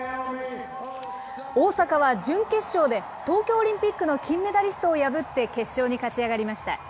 大坂は準決勝で東京オリンピックの金メダリストを破って決勝に勝ち上がりました。